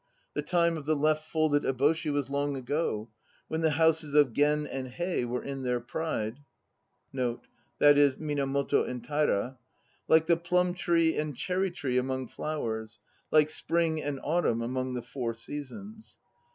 The time of the left folded eboshi was long ago : When the houses of Gen and Hei 2 were in their pride, Like the plum tree and cherry tree among flowers, Like Spring and Autumn among the four seasons.